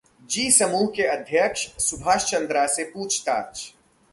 जी समूह के अध्यक्ष सुभाष चंद्रा से पूछताछ